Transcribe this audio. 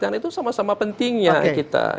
yang lain itu sama sama pentingnya kita